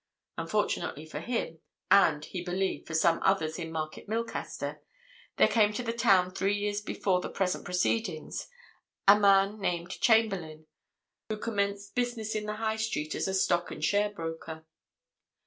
Unfortunately for him, and, he believed, for some others in Market Milcaster, there came to the town three years before the present proceedings, a man named Chamberlayne, who commenced business in the High Street as a stock and share broker.